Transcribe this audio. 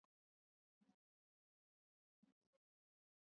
Namna ya kujikinga na ugonjwa wa kimeta